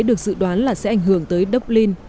được dự đoán là sẽ ảnh hưởng tới dublin